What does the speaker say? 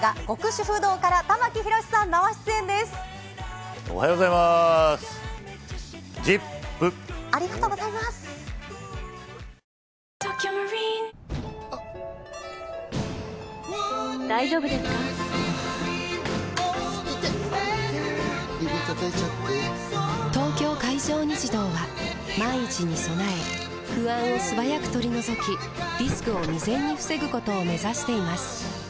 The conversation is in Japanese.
指たたいちゃって・・・「東京海上日動」は万一に備え不安を素早く取り除きリスクを未然に防ぐことを目指しています